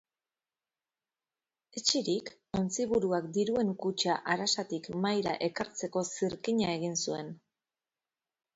Etsirik, ontziburuak diruen kutxa arasatik mahaira ekartzeko zirkina egin zuen.